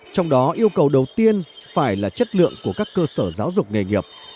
trong đó yêu cầu đầu tiên phải là chất lượng của các cơ sở giáo dục nghề nghiệp